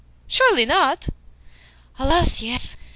"Surely not?" "Alas, yes.